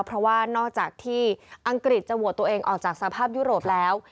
เพราะว่านอกจากที่อังกฤษจะโหวตตัวเองออกจากสภาพยุโรปแล้ว